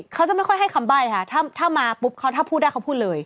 เขาจะไม่ค่อยให้คำใบ้ค่ะถ้ามาปุ๊บเขาถ้าพูดได้เขาพูดเลย